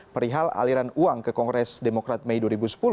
perihal aliran uang ke kongres demokrat mei dua ribu sepuluh